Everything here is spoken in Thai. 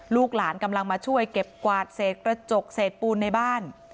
ลูกหลานกำลังมาช่วยเก็บกวาดเศษกระจกเศษปูนในบ้าน